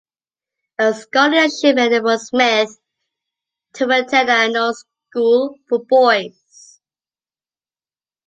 A scholarship enabled Smith to attend the Arnold School for Boys.